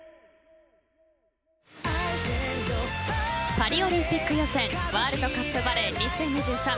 パリオリンピック予選ワールドカップバレー２０２３